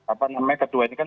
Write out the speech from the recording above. apa namanya kedua ini kan